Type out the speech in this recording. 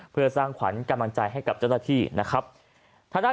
เพื่อสร้างขวัญกำลังใจให้กับเจ้าหน้าที่นะครับ